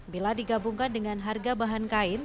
bila digabungkan dengan harga bahan kain